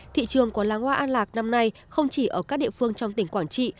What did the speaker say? thị trường của làng hoa an lạc năm nay không chỉ ở các địa phương trong tỉnh quảng trị